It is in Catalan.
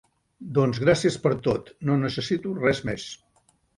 Doncs gràcies per tot, no necessito res més.